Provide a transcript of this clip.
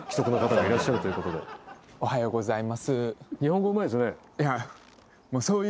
おはようございます。